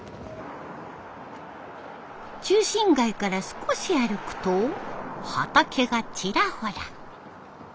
中心街から少し歩くと畑がチラホラ。